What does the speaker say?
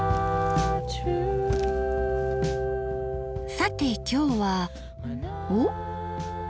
さて今日はおっ！